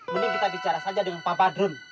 mending kita bicara saja dengan pak badrun